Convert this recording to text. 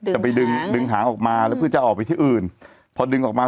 จะไปดึงดึงหางออกมาแล้วเพื่อจะออกไปที่อื่นพอดึงออกมา